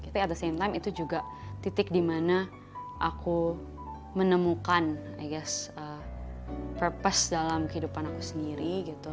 tapi at the same time itu juga titik dimana aku menemukan i guess purpose dalam kehidupan aku sendiri gitu